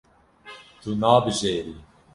Tu nabijêrî.